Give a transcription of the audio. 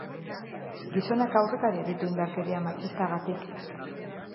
Gizonak aurrekariak ditu indarkeria matxistagatik.